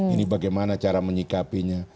ini bagaimana cara menyikapinya